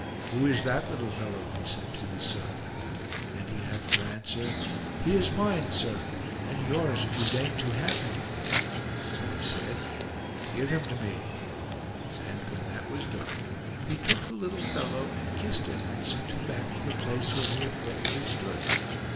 " Who is that little fellow ?" he said to his son ; and he had for answer :" He is mine, sire ; and yours if you deign to have him." So he said :" Give him to 125 CHARLES PROPHESIES me"; and, when that was done, he took the little fellow and kissed him and sent him back to the place where he had formerly stood.